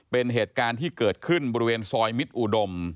เป็นเหตุการณ์ที่เกิดขึ้นบริเวณซอยมิตรอุดม